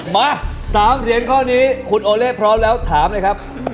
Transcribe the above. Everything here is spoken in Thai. มา๓เสียงข้อนี้คุณโอเล่พร้อมแล้วถามเลยครับ